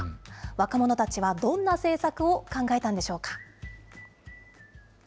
若者たちはどんな政策を考えたんでしょうか。